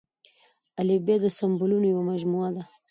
الفبې د سمبولونو يوه مجموعه ده.